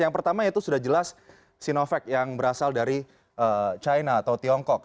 yang pertama itu sudah jelas sinovac yang berasal dari china atau tiongkok